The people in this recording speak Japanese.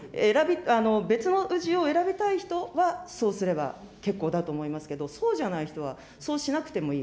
別の氏を選びたい人はそうすれば結構だと思いますけど、そうじゃない人はそうしなくてもいい。